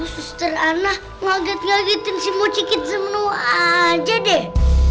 suster anna ngaget ngagetin si mocikit semua aja deh